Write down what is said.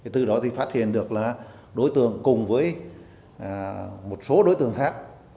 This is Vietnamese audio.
từ đó thì phát hiện được là đối tượng cùng với một số đối tượng khác